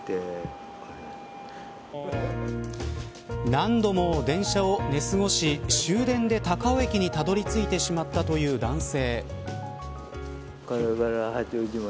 何度も電車を寝過ごし終電で高尾駅にたどり着いてしまったという男性。